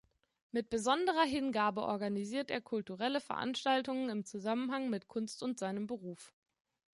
Mit besonderer Hingabe organisiert er kulturelle Veranstaltungen im Zusammenhang mit Kunst und seinem Beruf.